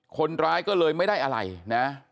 คนร้ายก็เลยไม่ได้อะไรนะ